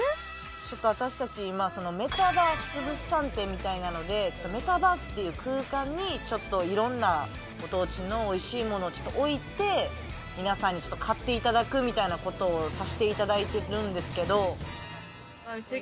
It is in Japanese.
私たち今メタバース物産展みたいなのでメタバースっていう空間に色んなご当地の美味しいものを置いて皆さんに買って頂くみたいな事をさせて頂いてるんですけど。